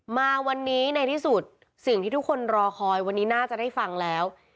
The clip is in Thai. มาวันนี้ในที่สุดสิ่งที่ทุกคนรอคอยวันนี้น่าจะได้ฟังแล้ว